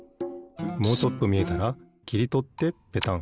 もうちょっとみえたらきりとってペタン。